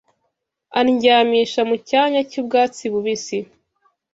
Andyamisha mu cyanya cy’ubwatsi bubisi: